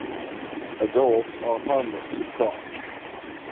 Adults are harmless to crops.